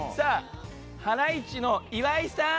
ハライチの岩井さん！